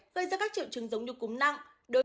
gây ra các triệu chứng giống như cúm nặng